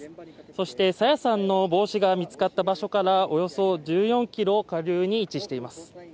そして、朝芽さんの帽子が見つかった場所からおよそ１４ｋｍ下流に位置しています。